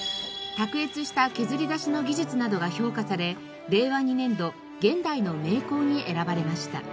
卓越した削り出しの技術などが評価され令和２年度現代の名工に選ばれました。